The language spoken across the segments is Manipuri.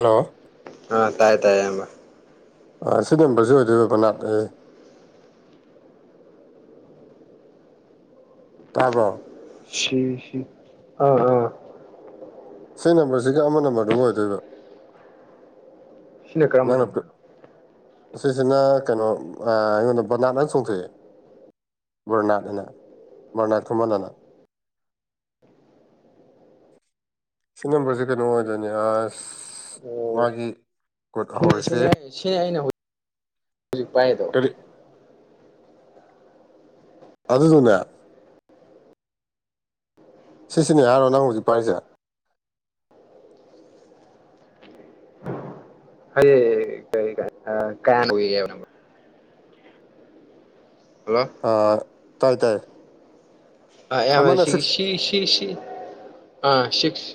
ꯍꯜꯂꯣ ꯑ ꯇꯥꯏ ꯇꯥꯏꯌꯦ ꯏꯌꯥꯝꯕ ꯁꯤ ꯅꯝꯕꯔꯁꯤ ꯑꯣꯏꯗꯣꯏ ꯕꯅꯥꯠ ꯑꯩ ꯇꯥꯕ꯭ꯔꯣ ꯁꯤ ꯁꯤ ꯑ ꯑꯥ ꯁꯤ ꯅꯝꯕꯔꯁꯤꯒ ꯑꯃ ꯅꯝꯕꯔꯗꯨꯒ ꯑꯣꯏꯗꯣꯏꯕ ꯁꯤꯅ ꯀꯔꯝꯕ ꯅꯪꯅ ꯅꯝꯕꯔꯅꯣ ꯑꯁꯤꯁꯤꯅ ꯀꯩꯅꯣ ꯑꯩꯉꯣꯟꯗ ꯕꯅꯥꯠ ꯂꯪ ꯆꯣꯡꯊꯣꯛꯑ [unintelligible] ꯁꯤ ꯅꯝꯕꯔꯁꯦ ꯀꯩꯅꯣ ꯑꯣꯏꯗꯣꯏꯅꯦ ꯑꯁ ꯑꯣ ꯃꯥꯒꯤ ꯀꯣꯠ ꯍꯧꯔꯁꯤ ꯁꯤꯅꯦ ꯑꯩ ꯁꯤꯅꯦ ꯑꯩꯅꯖꯤꯛ ꯍꯧꯖꯤꯛ ꯄꯥꯏꯗꯣ ꯀꯔꯤ ꯑꯗꯨꯗꯨꯅ ꯁꯤꯁꯤꯅꯦ ꯍꯥꯏꯔꯣ ꯅꯪ ꯍꯧꯖꯤꯛ ꯄꯥꯏꯔꯤꯁꯦ ꯍꯌꯦ ꯀꯔꯤ [unintelligible] ꯍꯜꯂꯣ ꯑꯥ ꯇꯥꯏ ꯇꯥꯏ ꯑꯦꯝ ꯑꯥꯏ ꯑꯃꯅ ꯁꯤꯒꯤ ꯁꯤꯛꯁ ꯁꯤ ꯁꯤ ꯁꯤ ꯑꯥ ꯁꯤꯛꯁ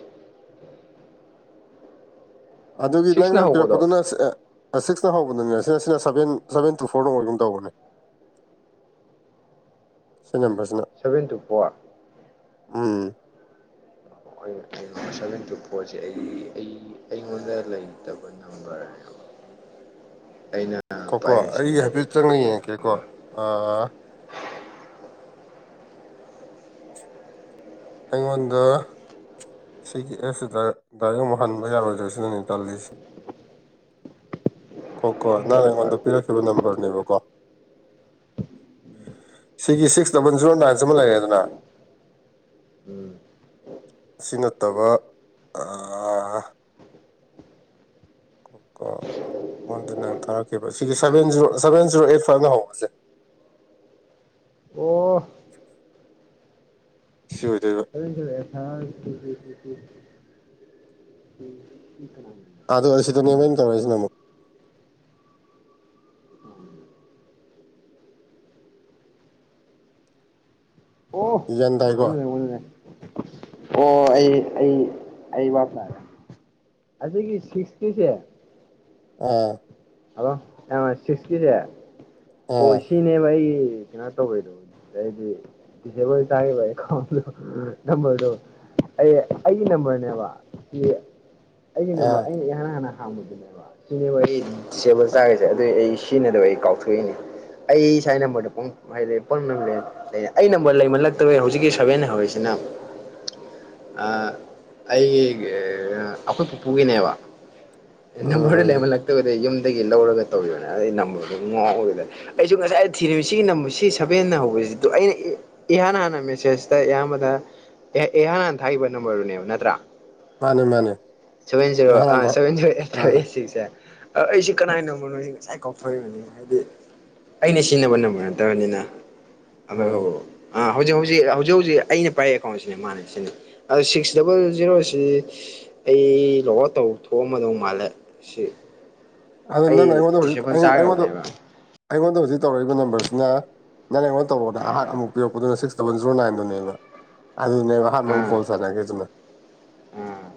ꯑꯗꯨꯗꯤ ꯅꯪꯅ ꯁꯤꯛꯁꯅ ꯍꯧꯕꯗꯣ ꯄꯤꯔꯛꯄꯗꯨꯅ ꯁꯦꯑ__ ꯑ ꯁꯤꯛꯁꯅ ꯍꯧꯕꯗꯨꯅꯦ ꯁꯤꯅ ꯁꯤꯅ ꯁꯕꯦꯟ ꯁꯕꯦꯟ ꯇꯨ ꯐꯣꯔꯅ ꯍꯧꯒꯝ ꯇꯧꯕꯅꯦ ꯁꯤ ꯅꯝꯕꯔꯁꯤꯅ ꯁꯕꯦꯟ ꯇꯨ ꯐꯣꯔ ꯑꯥ [unintelligible] ꯐꯣꯟꯁꯦ ꯑꯩ ꯑꯩ ꯑꯩꯉꯣꯟꯗ ꯂꯩꯇꯕ ꯅꯝꯕꯔ [inaudible] ꯑꯩꯅ ꯉꯥꯏꯈꯣꯀꯣ ꯑꯩ ꯄꯥꯏꯔꯤꯁꯦ ꯍꯥꯏꯐꯦꯠ ꯆꯪꯉ ꯌꯦꯡꯉꯀꯦꯀꯣ ꯑꯩꯉꯣꯟꯗ ꯁꯤꯒꯤ ꯑꯦꯞꯁꯤꯗ ꯗꯥꯏꯔꯦꯛ ꯑꯃꯨꯛ ꯍꯟꯕ ꯌꯥꯔꯣꯏꯗ꯭ꯔꯥ ꯁꯤꯅꯦ ꯑꯩꯅ ꯈꯜꯂꯤꯁꯦ ꯀꯣ ꯀꯣ ꯅꯍꯪꯅ ꯑꯩꯉꯣꯟꯗ ꯄꯤꯔꯛꯈꯤꯕ ꯅꯝꯕꯔꯅꯦꯕꯀꯣ ꯁꯤꯒꯤ ꯁꯤꯛꯁ ꯗꯕꯜ ꯖꯤꯔꯣ ꯅꯥꯏꯟ ꯁꯤꯃ ꯂꯩꯔꯦꯗꯅ ꯎꯝ ꯑꯁꯤ ꯅꯠꯇꯕ ꯑꯥ [unintelligible] ꯀꯣ ꯑꯩꯉꯣꯟꯗ ꯅꯪꯅ ꯊꯥꯔꯛꯈꯤꯕ ꯁꯤꯒꯤ seven zero seven zero eight ꯐꯥꯏꯚꯅ ꯍꯧꯕꯁꯦ ꯑꯣ ꯁꯤ ꯑꯣꯏꯗꯣꯏꯕ [unintelligible] ꯎꯝ__ [unintelligible] ꯑꯗꯣ ꯁꯤꯗꯅꯦꯕꯣꯏ ꯇꯧꯔꯤꯁꯤꯅꯨꯛ ꯑꯣ ꯌꯦꯟꯗꯥꯥꯏꯒꯣ ꯑꯣꯟꯅꯅꯦ ꯑꯣꯟꯅꯅꯦ ꯑꯣ ꯑꯩ ꯑꯩ ꯑꯩ ꯕꯞ ꯑꯗꯨꯒꯤ ꯁꯤꯛꯁꯇꯤꯁꯦ ꯑꯥ ꯍꯂꯣ ꯁꯤꯇꯤꯁꯦ ꯑꯥ ꯑꯣ ꯁꯤ ꯅꯦꯕꯏ ꯀꯩꯅꯣ ꯇꯧꯕꯣꯏꯣꯗꯤ ꯁꯦꯝꯕ ꯇꯥꯕꯥꯎ ꯅꯝꯕꯔꯗꯣ ꯑꯩ ꯑꯩꯒꯤ ꯅꯝꯕꯔꯅꯦꯕ [unintelligible] ꯑꯩꯒꯤ ꯑꯥ ꯅꯝꯕꯔ ꯑꯩꯅ ꯏꯍꯥꯟ ꯍꯥꯟꯅ ꯍꯥꯡꯕꯗꯨꯅꯦꯕ ꯁꯤꯅꯦ ꯋꯥꯔꯤ [unintelligible] ꯗꯤꯁꯑꯦꯕꯜ ꯆꯥꯈꯁꯦ ꯑꯗꯨ ꯑꯩ ꯁꯤꯖꯤꯟꯅꯗꯕ ꯑꯩ ꯀꯥꯎꯊꯣꯛꯏꯅꯦ ꯑꯩ ꯁꯥꯏ ꯅꯝꯕꯗ ꯄꯨꯡ ꯍꯥꯏꯗꯤ ꯄꯨꯡ ꯅꯦ ꯑꯩ ꯅꯝꯕꯔ ꯂꯩꯃꯜꯂꯛꯇꯕꯦ ꯍꯧꯖꯤꯛꯀꯤ ꯁꯚꯦꯟ ꯍꯧꯔꯤꯁꯤꯅ ꯑꯩꯒꯤ ꯑꯩꯈꯣꯏ ꯄꯨꯄꯨꯒꯤꯅꯦꯕ ꯑꯦ ꯅꯝꯕꯔꯗ ꯎꯝ ꯂꯩꯍꯜꯂꯛꯇꯕꯗ ꯌꯨꯝꯗꯒꯤ ꯂꯧꯔꯒ ꯇꯧꯤꯕꯅꯦ ꯑꯗꯨ ꯅꯝꯕꯔꯗꯨ ꯉꯥꯎꯦꯗꯅ ꯑꯩꯁꯨ ꯉꯁꯥꯏ ꯊꯤꯔꯝꯃꯤ ꯁꯤꯒꯤ ꯅꯝꯕ ꯁꯤ ꯁꯚꯦꯟꯅ ꯍꯧꯕꯁꯤꯗ ꯑꯩꯅ ꯏꯍꯥꯟ ꯍꯥꯟꯅ ꯃꯦꯁꯦꯖꯇ ꯏꯍꯕꯗ ꯏꯍꯥꯟ ꯍꯥꯟꯅ ꯊꯥꯛꯕ ꯅꯝꯕꯔꯗꯨꯅꯦꯕ ꯅꯠꯇ꯭ꯔꯥ ꯃꯥꯅꯦ ꯃꯥꯅꯦ ꯁꯕꯦꯟ ꯖꯦꯔꯣ ꯑꯥ ꯌꯥꯍꯧꯔꯥꯝꯕ ꯁꯕꯦꯟ ꯖꯦꯔꯣ ꯑꯥꯏꯠ ꯑꯥ ꯐꯥꯏꯚ ꯑꯥꯏꯠ ꯁꯤꯛꯁ ꯁꯦ ꯑ ꯑꯩꯁꯤ ꯀꯅꯥꯏꯅꯣꯅꯣ ꯉꯁꯥꯏ ꯍꯣꯏꯅꯤ ꯍꯥꯏꯗꯤ ꯑꯩꯅ ꯁꯤꯖꯤꯟꯅꯕ ꯅꯃ ꯅꯠꯇꯕꯅꯤꯅ ꯍꯣꯏ ꯑꯣ ꯑꯥ ꯍꯧꯖꯤꯛ ꯍꯧꯖꯤꯛ ꯍꯧꯖꯤꯛ ꯍꯧꯖꯤꯛ ꯑꯩꯅ ꯄꯥꯏꯔꯤ ꯑꯦꯀꯥꯎꯟꯁꯤꯅꯦ ꯃꯥꯅ ꯁꯤꯅꯩ__ ꯑꯗꯨ ꯁꯤꯛꯁ ꯗꯕꯜ ꯖꯤꯔꯣꯁꯤ ꯑꯩ ꯂꯣꯛ ꯑꯥꯎꯇ ꯇꯧ ꯊꯣꯛꯑꯝꯃꯗꯧ ꯃꯥꯜꯂꯦ ꯁꯤ ꯑꯗꯣ ꯅꯪꯅ ꯑꯩ ꯑꯩꯉꯣꯟꯗ ꯍꯧꯖꯤꯛ ꯗꯤꯁꯑꯦꯕꯜ ꯑꯩꯉꯣꯟꯗ ꯆꯥꯈ꯭ꯔꯕꯅꯦꯕ ꯑꯩꯉꯣꯟꯗ ꯍꯧꯖꯤꯛ ꯇꯧꯔꯛꯏꯕ ꯅꯝꯕꯔꯁꯤꯅ ꯅꯔ ꯑꯩꯉꯣꯟ ꯇꯧꯣꯗ ꯑꯍꯠ ꯑꯃꯨꯛ ꯄꯤꯛꯄꯗꯨꯅ ꯁꯤꯛꯁ ꯗꯕꯜ ꯖꯤꯔꯣꯅꯥꯏꯟꯗꯨꯅꯦꯕ ꯑꯗꯨꯅꯦ ꯋꯥ ꯍꯥꯔ ꯃꯪ ꯀꯣꯜꯁ ꯅꯒꯦ ꯑꯗꯨꯅ ꯎꯝ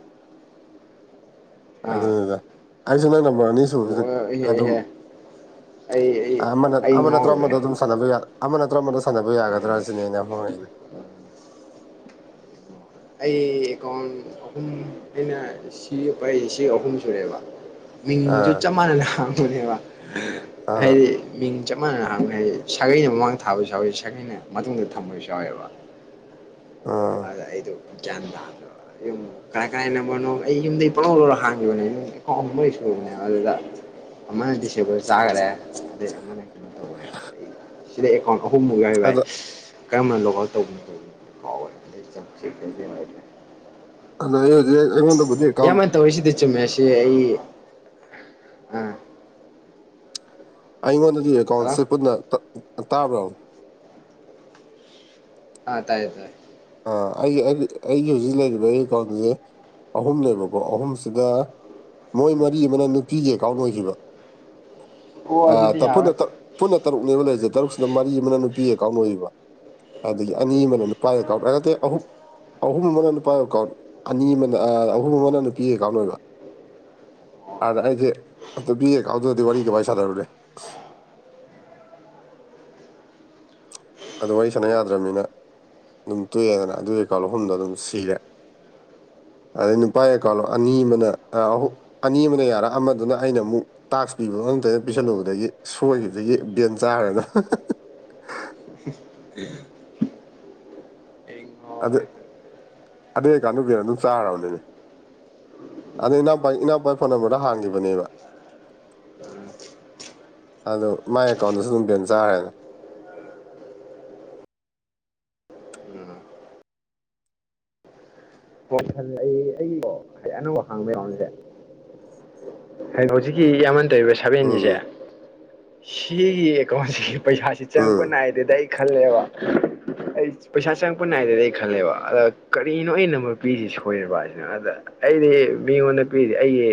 ꯑꯗꯨꯗ ꯑꯩꯁꯨ ꯅꯪ ꯅꯝꯕꯔꯅꯤ ꯑꯣ ꯏꯍꯦ [unintelligible] ꯑꯗꯨꯝ ꯏꯍꯦ ꯑꯩ ꯑꯩ [unintelligible] ꯑꯥꯃ ꯑꯩ ꯑꯃ ꯅꯠꯇ꯭ꯔ ꯉꯥꯎꯔꯨꯔꯦ ꯑꯃꯗ ꯑꯗꯨꯝ [unintelligible] ꯁꯥꯟꯅꯕ ꯌꯥ ꯑꯃ ꯅꯠꯇ꯭ꯔ ꯑꯃꯗ ꯁꯥꯟꯅꯕ ꯌꯥꯒꯗ꯭ꯔꯥ ꯎꯝ ꯁꯤꯅꯦ ꯑꯩꯅꯨ ꯍꯣꯡꯉꯛꯏꯅꯦ [inaudible] ꯑꯩ ꯑꯦꯀꯥꯎꯟ ꯑꯍꯨꯝ ꯑꯩꯅ ꯁꯤ ꯄꯥꯏ ꯁꯤ ꯑꯍꯨꯝ ꯁꯨꯔꯦꯕ ꯃꯤꯡꯁꯨ ꯑꯥ ꯆꯞ ꯃꯥꯟꯅ ꯍꯥꯡꯕꯅꯦꯕ ꯑꯥ ꯍꯥꯏꯗꯤ ꯃꯤꯡ ꯆꯞ ꯃꯥꯟꯅꯅ ꯍꯥꯡꯕꯅꯦ ꯍꯥꯏꯗꯤ ꯁꯥꯒꯩꯅ ꯃꯃꯥꯡ ꯊꯥꯕꯁꯨ ꯌꯥꯎꯋꯦ ꯁꯥꯒꯩꯅ ꯃꯇꯨꯡꯗ ꯊꯝꯕꯁꯨ ꯌꯥꯎꯋꯦꯕ ꯑꯥ ꯑꯗ ꯑꯩꯗꯨ ꯒꯌ꯭ꯥꯟ ꯇꯥꯗꯔ꯭ꯕ ꯀꯔꯥꯏ ꯀꯔꯥꯏ ꯅꯝꯕꯔꯅꯣ ꯑꯩ ꯌꯨꯝꯗꯩ ꯄꯂꯧ ꯂꯧꯔ ꯍꯥꯡꯈꯤꯕꯅꯦ ꯀꯦꯀꯥꯎꯟꯠ ꯃꯔꯤ ꯁꯨꯔꯕꯅꯦꯕ ꯑꯗꯨꯗ ꯑꯃꯅ ꯗꯤꯁꯑꯕꯥꯜ ꯆꯥꯈꯔꯦ ꯑꯗꯨꯒ ꯑꯃꯅ ꯀꯩꯅꯣ ꯇꯧꯒꯔ꯭ꯦ ꯁꯤꯗ ꯑꯦꯀꯥꯎꯟ ꯑꯍꯨꯝꯃꯨꯛ ꯌꯥꯎ ꯚꯏ ꯑꯗꯣ ꯀꯔꯝꯕꯅ ꯂꯣꯒ ꯑꯥꯎꯠ ꯇꯧꯕꯅꯣ ꯇꯧꯕꯅꯣ [unintelligible] [unintelligible] ꯑꯩꯉꯣꯟꯗꯕꯨꯗꯤ ꯑꯦꯀꯥꯎꯟꯠ ꯏꯌꯥꯝꯕꯅ ꯇꯧꯔꯤꯁꯤꯗꯤ ꯆꯨꯝꯃꯦꯁꯤ ꯑꯩ ꯑꯥ ꯑꯩꯉꯣꯟꯗꯗꯤ ꯍꯜꯂꯣ ꯑꯦꯀꯥꯎꯟꯁꯦ ꯄꯨꯟꯅ [unintelligible] ꯇꯥꯕ꯭ꯔꯣ ꯑ ꯇꯥꯏꯌꯦ ꯇꯥꯏ__ ꯑ ꯑꯩꯒꯤ ꯑꯩꯒꯤ ꯑꯩꯒꯤ ꯍꯧꯖꯤꯛ ꯂꯩꯔꯤꯕ ꯑꯩ ꯑꯦꯀꯥꯎꯟꯁꯦ ꯑꯍꯨꯝꯅꯦꯕꯀꯣ ꯑꯍꯨꯝꯁꯤꯗ ꯃꯣꯏ ꯃꯔꯤ ꯑꯃꯅ ꯅꯨꯄꯤꯒꯤ ꯑꯦꯀꯥꯎꯟ ꯑꯣꯏꯈꯤꯕ ꯑꯣ ꯑꯥ ꯑꯗꯨꯗꯤ ꯇꯐꯨꯠꯅ ꯌꯥꯔꯣꯏ ꯇꯞ ꯄꯨꯟꯅ ꯇꯔꯨꯛꯅꯦꯕ ꯂꯩꯔꯤꯁꯦ ꯇꯔꯨꯛꯁꯤꯗ ꯃꯔꯤ ꯑꯃꯅ ꯅꯨꯄꯤ ꯑꯦꯀꯥꯎꯟ ꯑꯣꯏꯒꯤꯕ ꯑꯗꯒꯤ ꯑꯅꯤ ꯑꯃꯅ ꯅꯨꯄꯥ__ [unintelligible] ꯅꯠꯇꯦ ꯑꯍꯨꯝ ꯑꯍꯨꯝ ꯑꯃꯅ ꯅꯨꯄꯥ ꯑꯦꯀꯥꯎꯟ ꯑꯅꯤ ꯑꯃꯅ ꯑꯍꯨꯝ ꯑꯃꯅ ꯅꯨꯄꯤꯒꯤ ꯑꯦꯀꯥꯎꯟ ꯑꯣꯏꯕ [unintelligible] ꯑꯩꯁꯦ [unintelligible] ꯋꯥꯔꯤ ꯁꯥꯟꯅꯔꯨꯔꯦ ꯑꯗꯣ ꯋꯥꯔꯤ ꯁꯥꯟꯅ ꯌꯥꯗ꯭ꯔꯕꯅꯤꯅ ꯑꯗꯨꯝ ꯇꯣꯛꯑꯦꯗꯅ ꯑꯗꯨꯏ ꯑꯦꯀꯥꯎꯟꯠ ꯑꯍꯨꯝꯗꯣ ꯑꯗꯨꯝ ꯁꯤꯔꯦ ꯑꯗꯩ ꯅꯨꯄꯥꯒꯤ ꯑꯦꯀꯥꯎꯟ ꯑꯅꯤ ꯑꯃꯅ ꯑ ꯍꯨꯝ ꯑꯅꯤ ꯑꯃꯅ ꯌꯥꯔ ꯑꯃꯗꯨꯅ ꯑꯩꯅ ꯑꯃꯨꯛ ꯇꯥꯛꯁ ꯄꯤꯕ ꯉꯝꯗꯅ ꯄꯤꯁꯜꯂꯨꯕꯗꯒꯤ ꯁꯣꯏꯒꯤꯕꯗꯒꯤ ꯕꯦꯟ ꯆꯥꯒ꯭ꯔꯦꯗ [unintelligible] [unintelligible] ꯑꯗꯨ ꯑꯗꯨꯀꯥꯟꯗꯨꯒꯤꯩꯅꯣ ꯑꯗꯨꯝ ꯆꯥꯔꯕꯅꯤꯅꯦ ꯑꯗꯣ ꯏꯅꯥꯎꯄꯥ ꯏꯅꯥꯎꯄꯥ ꯐꯣꯟ ꯅꯝꯕꯔꯗ ꯍꯥꯡꯒꯤꯕꯅꯦꯕ [unintelligible] ꯑꯣ ꯃꯥꯏ ꯑꯦꯀꯥꯎꯟꯗꯁꯨ ꯑꯗꯨꯝ ꯕꯦꯟ ꯆꯥꯈ꯭ꯔꯦꯅꯦ ꯎꯝ ꯄꯣꯁꯜꯦ ꯑꯩ ꯑꯩꯒꯤꯀꯣ ꯍꯥꯏ ꯑꯅꯧꯕ ꯍꯥꯡꯕ ꯌꯥꯎꯁꯦ ꯍꯥꯏ ꯍꯧꯖꯤꯛꯀꯤ ꯌꯥꯝꯃꯟ ꯇꯕ ꯁꯚꯦꯟꯁꯦ ꯎꯝ ꯁꯤꯒꯤ ꯑꯦꯀꯥꯎꯟꯁꯤꯒꯤ ꯄꯩꯁꯥꯁꯤ ꯆꯪꯉꯛꯄ ꯎꯝ ꯅꯥꯏꯗ ꯑꯗꯨꯗ ꯑꯩ ꯈꯜꯂꯦꯕ ꯑꯩ ꯄꯩꯁꯥ ꯆꯪꯉꯛꯄ ꯅꯥꯏꯗꯗꯤ ꯑꯩ ꯈꯜꯂꯦꯕ ꯑꯗ ꯀꯔꯤꯅꯣ ꯑ ꯅ ꯄꯤꯁꯤ ꯁꯣꯏꯔꯕꯁꯤꯅ ꯑꯗ ꯑꯩꯗꯤ ꯃꯤꯉꯣꯟꯗ ꯄꯤꯔꯤꯁꯤ ꯑꯩꯒꯤ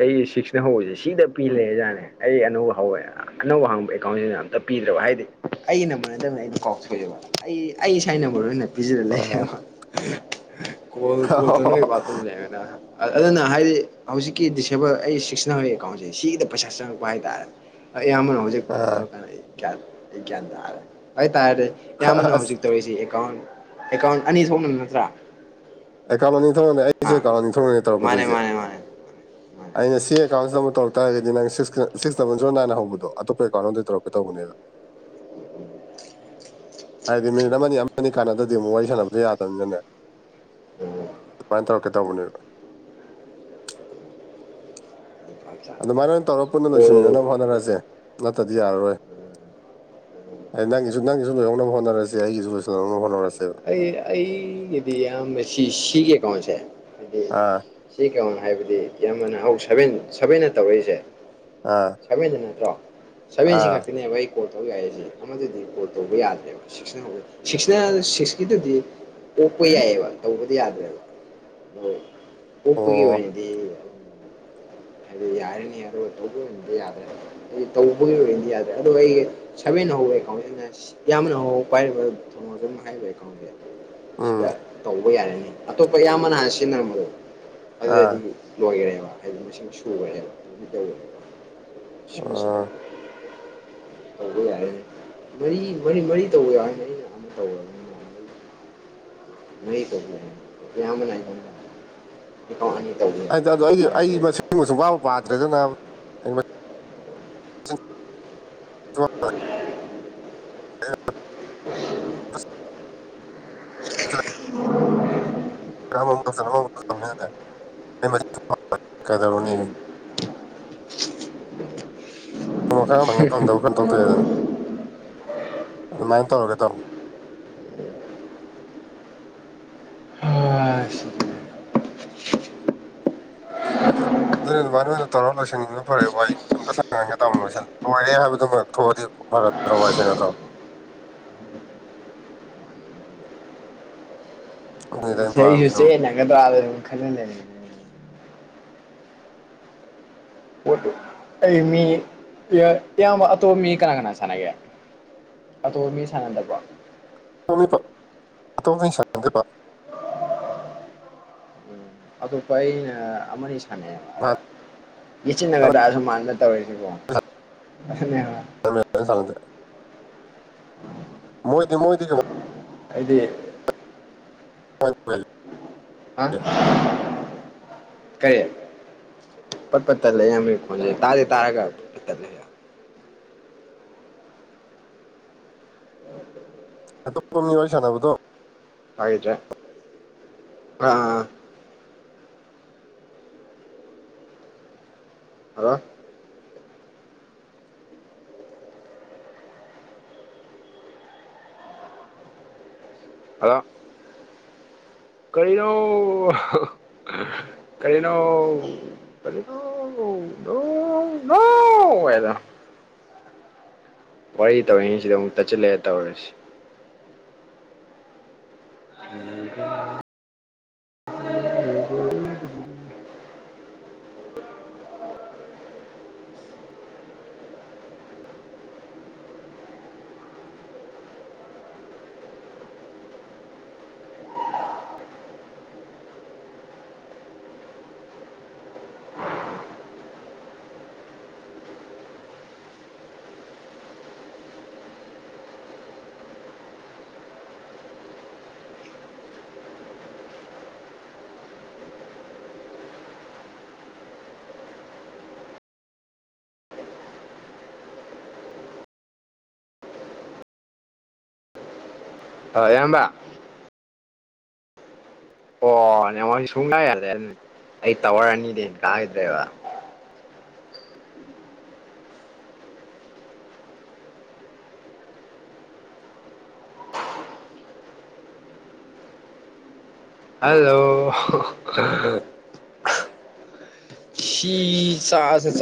ꯑꯩ ꯁꯤꯛꯁꯅ ꯍꯧꯔꯤꯁꯦ ꯁꯤꯗ ꯄꯤꯜꯂꯦꯖꯥꯠꯅꯦ ꯑꯩ ꯑꯅꯧꯕ ꯍꯧꯋꯦ ꯑꯅꯧꯕ ꯍꯪꯕ ꯑꯦꯀꯥꯎꯟꯁꯤꯗ ꯑꯝꯇ ꯄꯤꯗ꯭ꯔꯕ ꯍꯥꯏꯗꯤ ꯑꯩꯒꯤ ꯅꯝꯕꯔ ꯅꯠꯇꯕꯅ ꯑꯩꯗꯤ ꯀꯥꯎꯆꯗꯕ ꯑꯩ ꯑꯩ ꯁꯥꯏꯅꯕꯣꯏ ꯅꯠꯇ ꯄꯤꯖꯤꯂ ꯑ ꯂꯩꯦꯣ ꯀꯣꯇꯅꯣꯏ ꯄꯠꯇ ꯂꯩꯕꯅ ꯑꯗꯨꯅ ꯍꯥꯏꯗꯤ ꯍꯧꯖꯤꯛꯀꯤ ꯗꯤꯁꯑꯦꯕꯜ ꯑꯩ ꯁꯤꯛꯁꯅ ꯍꯧꯔꯛꯏ ꯑꯦꯀꯥꯎꯟꯁꯦ ꯁꯤꯗ ꯄꯩꯁꯥ ꯆꯪꯉꯛꯄ ꯍꯥꯏꯇꯥꯔꯦꯅꯦ ꯑꯩ ꯑꯩ ꯑꯃꯅ ꯍꯧꯖꯤꯛ ꯐꯣꯟ ꯇꯧꯔꯀꯥꯟꯗ ꯑꯩ ꯒ꯭ꯌꯥꯟ ꯑꯩ ꯒ꯭ꯌꯥꯟ ꯇꯥꯔꯦ ꯑꯩ ꯇꯥꯔꯗꯤ ꯑ ꯑꯌꯥꯝꯕꯅ ꯑꯁ ꯍꯧꯖꯤꯛ ꯇꯧꯔꯤꯁꯤ ꯑꯦꯀꯥꯎꯟ ꯑꯦꯀꯥꯎꯟ ꯑꯅꯤ ꯊꯣꯛꯅ ꯅꯠꯇ꯭ꯔꯥ ꯑꯦ ꯀꯔꯝꯕ ꯅꯤꯡꯊꯧꯅꯅꯤ ꯑꯥ ꯑꯩꯁꯨꯦ ꯀꯥꯝꯕ ꯅꯤꯡꯊꯧꯅꯅꯦ ꯃꯥꯅꯦ ꯇꯧꯔꯛꯀꯗꯣꯏꯁꯦ ꯃꯥꯅꯦ ꯃꯥꯅꯦ ꯃꯥꯅꯦ ꯑꯩꯅ ꯁꯤ ꯑꯦꯀꯥꯎꯟꯁꯤꯗ ꯑꯃꯨ ꯇꯧꯔꯛ ꯇꯔꯒꯗꯤ ꯅꯪ ꯁꯤꯛꯁ ꯁꯤꯁ ꯗꯕ ꯖꯤꯔꯣꯅꯥꯏꯟ ꯍꯧꯕꯗꯣ ꯑꯇꯞꯄ ꯑꯦꯀꯥꯎꯟ ꯑꯝꯗ ꯇꯧꯔꯀ ꯇꯧꯕꯅꯦꯕ [inaudible] ꯍꯥꯏꯗꯤ ꯃꯤꯅꯤꯠ ꯑꯃꯅꯤ ꯑꯃꯅꯤꯅꯤ ꯀꯥꯟꯅꯗꯗꯤ ꯑꯃꯨꯛ ꯋꯥꯔꯤ ꯁꯥꯟꯅꯕꯁꯨ ꯌꯥꯗꯕꯅꯤꯅꯅꯦ ꯀꯩꯅ ꯇꯧꯔꯛꯀꯦꯧꯕꯅꯦꯕ ꯑꯗꯨꯃꯥꯏꯅ ꯑꯣꯏꯅ ꯇꯧꯔꯒ ꯄꯨꯟꯅ ꯀꯣꯜ ꯂꯣꯏꯁꯤꯟꯃꯤꯟꯅꯅꯕ ꯍꯣꯠꯅꯔꯁꯦ ꯅꯠꯇ꯭ꯔꯗꯤ ꯌꯥꯔꯔꯣꯏ ꯍꯥꯏ ꯅꯪꯒꯤꯁꯨ ꯅꯪꯁꯨꯣꯏꯅꯅꯕꯣꯠꯅꯔꯁꯦ ꯑꯩꯒꯤꯁꯨ ꯂꯣꯏꯁꯤꯜꯍꯧꯅꯕ ꯍꯣꯠꯅꯔꯁꯦꯕ ꯑꯩ ꯑꯩꯒꯤꯗꯤ ꯌꯥꯝꯅ ꯁꯤ ꯁꯤꯒꯦ ꯀꯩꯅꯣꯁꯦ ꯑꯥ ꯁꯤ ꯀꯩꯅꯣꯅ ꯍꯥꯏꯕꯗꯤ ꯏꯌꯥꯝꯕꯅ ꯍꯧꯛ ꯁꯕꯦꯟ ꯁꯕꯦꯟꯅ ꯇꯧꯔꯛꯏꯁꯦ ꯑꯥ ꯁꯚꯦꯟꯗ ꯅꯠꯇ꯭ꯔꯣ ꯁꯚꯦꯟꯁꯤ ꯑꯥ ꯈꯛꯇꯤꯅꯦꯕ ꯑꯩ ꯀꯣꯜ ꯇꯧ ꯌꯥꯏꯁꯦ ꯑꯃꯗꯗꯤ ꯀꯣꯜ ꯇꯧꯕ ꯌꯥꯗ꯭ꯔꯦꯕ ꯁꯤꯛꯁꯅ ꯁꯤꯛꯁꯅ ꯁꯤꯛꯁ ꯁꯤꯗꯨꯗꯤ ꯑꯣꯛꯄ ꯌꯥꯏꯑꯕ ꯇꯧꯕꯗꯤ ꯌꯥꯗ꯭ꯔꯦꯕ ꯎꯄꯒꯤ ꯑꯣ ꯑꯣꯏꯗꯤ ꯍꯥꯏꯗꯤ ꯌꯥꯔꯅꯤ ꯑꯔ ꯇꯧꯕꯤꯕ ꯌꯥꯗ꯭ꯔ ꯇꯧꯕꯒꯤ ꯑꯣꯏꯗꯤ ꯌꯥꯗ꯭ꯔꯦ ꯑꯗꯨꯒ ꯑꯩꯒꯤ ꯁꯕꯦꯟ ꯍꯧꯔꯦ ꯑꯩꯅ ꯌꯥꯝꯅ ꯍꯧ ꯄꯥꯏꯔꯤꯕ ꯊꯣꯡꯃꯣ ꯑꯗꯨ ꯑꯗꯨꯝ ꯍꯥꯏꯕ ꯈꯪꯗꯦ ꯎꯝ ꯁꯤꯗ ꯇꯧꯕ ꯌꯥꯔꯅꯤ ꯑꯇꯣꯞꯄ ꯏꯌꯥꯝꯕꯅ ꯍꯥꯟꯅ ꯁꯤꯖꯤꯟꯅꯔꯝꯕꯗꯣ ꯑꯗꯨꯗꯗꯤ ꯑꯥ ꯂꯣꯏꯈꯔꯦꯕ ꯍꯥꯏꯗꯤ ꯃꯁꯤꯡ ꯁꯨꯈꯔꯦꯕ ꯑꯗꯨꯝ ꯇꯧꯋꯦꯕ ꯁꯤꯃꯤꯁꯤꯗ ꯑꯣ ꯇꯧꯕ ꯌꯥꯔꯦ ꯃꯔꯤ ꯃꯔꯤ ꯃꯔꯤ ꯇꯧꯕ ꯌꯥꯔꯦ ꯃꯔꯤ ꯇꯧ ꯃꯔꯤ ꯇꯧꯦ ꯑꯃꯅꯅꯤ ꯇꯧꯧꯕ ꯑꯗꯨ ꯑꯁꯨꯝ ꯋꯥꯕ ꯄꯥꯗ꯭ꯔꯗꯅ [unintelligible] [unintelligible] [unintelligible] [inaudible] ꯀꯩꯗꯧꯔꯅꯦ ꯎꯝ ꯐꯣꯡꯕ ꯈꯔ ꯑꯃꯦ ꯐꯪꯗꯕ ꯀꯣ ꯇꯧꯊꯣꯛꯑꯦꯗꯅ ꯑꯗꯨꯃꯥꯏꯅ ꯇꯧꯔꯒ ꯇꯧꯃꯣ [unintelligible] [inaudible] ꯑꯗꯨ ꯑꯗꯨꯃ ꯅꯣꯏꯗ ꯇꯧꯔꯒ ꯂꯣꯏꯁꯟꯅꯤꯡꯕꯅ ꯐꯔꯦ ꯋꯥꯏ ꯑꯝꯇ ꯁꯉꯒꯦ ꯇꯥꯃꯣ ꯂꯣꯏ ꯂꯣꯏꯔꯦ ꯍꯥꯏꯕꯗꯨꯃ ꯊꯣꯛꯑꯗꯤ ꯐꯔꯦ ꯇꯣꯋꯥꯏꯁꯦꯉ ꯊ꯭ꯔꯣ ꯑꯗꯨꯅꯤꯗ ꯑꯩꯅ ꯁ ꯑꯩꯁꯨ ꯄꯥꯝꯃꯤꯁꯤꯅ ꯆꯦꯟꯅꯒꯗ꯭ꯔꯥꯗꯅꯨꯛ ꯈꯟꯅ ꯂꯩ ꯑꯣꯣꯗ ꯑꯩ ꯃꯤ ꯏꯌꯥꯝ ꯑꯇꯣꯞꯄ ꯃꯤ ꯀꯅꯥ ꯀꯅꯥ ꯁꯥꯟꯅꯒꯦ ꯑ ꯇꯣꯃꯤ ꯁꯉꯟꯗꯄꯥ ꯇꯣꯉ ꯇꯣ ꯑꯗꯨ ꯄ ꯑꯃꯅꯤꯅꯤ ꯐꯅꯦꯛ ꯌꯦꯆꯤꯟꯅꯒꯗꯁꯨ ꯃꯅꯅ ꯇꯧꯔꯤꯁꯤꯕꯣ ꯐ ꯆꯦ ꯃꯣꯏꯗꯤ ꯃꯣꯏꯗꯤ ꯀ ꯍꯥꯏꯗꯤ ꯍ ꯐ ꯍꯥ ꯀꯔꯤ ꯄꯠ ꯄꯠ ꯇꯠꯂ ꯌꯥꯝ ꯈꯣꯠꯅꯦ ꯇꯥꯥꯁꯦ ꯇꯥꯔꯒꯠ ꯇꯠꯂ [unintelligible] ꯑꯇꯣꯞꯄ ꯃꯤ ꯋꯥꯔꯤ ꯁꯥꯟꯅꯕꯗꯣ ꯍꯥꯏꯗ꯭ꯔꯦ ꯑ ꯍꯥꯂ ꯑ ꯀꯗꯣ ꯀꯔꯤꯅꯣ ꯀꯅꯣ ꯅꯣ ꯅꯣ ꯌꯥꯗ ꯋꯥꯔꯤ ꯇꯧꯔꯤꯉꯩꯁꯤꯗ ꯑꯃꯨꯛ ꯇꯠꯁꯤꯜꯂꯛꯑꯦ ꯇꯧꯔꯁꯤ ꯑ ꯑ ꯏꯌꯥꯝꯕ ꯑꯣ ꯅ ꯃꯣꯏꯁꯨ ꯁꯨꯡꯅ ꯌꯥꯜꯂꯦ ꯑꯗꯨ ꯑꯩ ꯇꯋꯔꯑꯅꯤꯗꯤ ꯀꯥꯏꯗ꯭ꯔꯦꯕ ꯍꯜꯂꯣ ꯁꯤꯤ ꯁꯥꯥꯁ